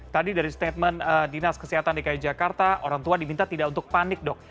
tadi dari statement dinas kesehatan dki jakarta orang tua diminta tidak untuk panik dok